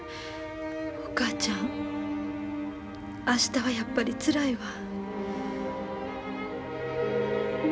お母ちゃん明日はやっぱりつらいわ。